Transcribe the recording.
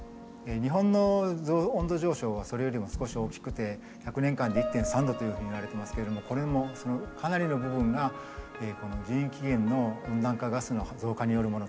日本の温度上昇はそれよりも少し大きくて１００年間で１．３℃というふうにいわれてますけれどもこれもそのかなりの部分が人為起源の温暖化ガスの増加によるものというふうに考えられています。